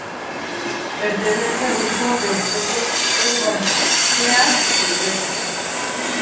Pertenece al grupo de especies herbáceas vellosas.